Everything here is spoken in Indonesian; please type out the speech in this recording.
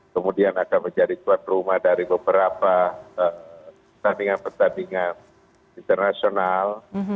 kemudian akan menjadi tuan rumah dari beberapa pertandingan pertandingan internasional